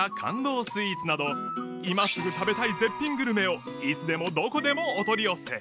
スイーツなど今すぐ食べたい絶品グルメをいつでもどこでもお取り寄せ